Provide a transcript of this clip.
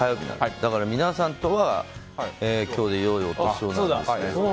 だから皆さんとは今日で良いお年をなんですね。